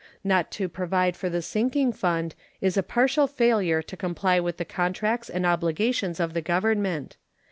Not to provide for the sinking fund is a partial failure to comply with the contracts and obligations of the Government.